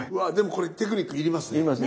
でもこれテクニック要りますね。